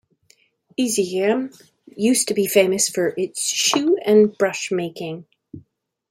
Izegem used to be famous for its shoe- and brush-making.